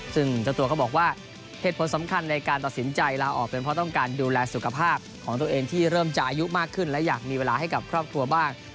ซึ่งเจ้าตัวก็บอกว่าเหตุผลสำคัญในการตัดสินใจลาออกเป็นเพราะต้องการดูแลสุขภาพของตัวเองที่เริ่มจะอายุมากขึ้นและอยากมีเวลาให้กับครอบครัวบ้าง